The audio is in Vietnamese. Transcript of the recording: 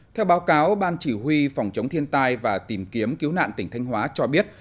theo báo cáo ban chỉ huy phòng chống thiên tai và tìm kiếm cứu nạn tỉnh thanh hóa cho biết